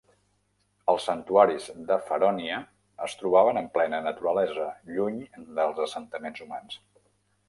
Els santuaris de Ferònia es trobaven en plena naturalesa, lluny dels assentaments humans.